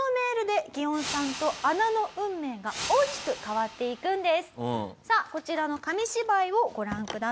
そしてこのメールでさあこちらの紙芝居をご覧ください。